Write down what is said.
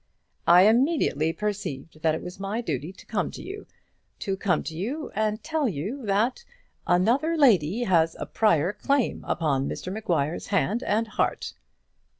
"I immediately perceived that it was my duty to come to you; to come to you and tell you that another lady has a prior claim upon Mr Maguire's hand and heart."